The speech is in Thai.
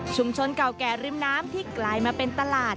เก่าแก่ริมน้ำที่กลายมาเป็นตลาด